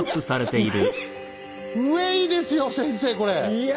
いや。